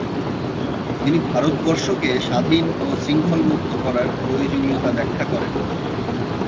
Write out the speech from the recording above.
তিনি ভারতবর্ষকে স্বাধীন ও শৃঙ্খলমুক্ত করার প্রয়োজনীতা ব্যাখ্যা করেন।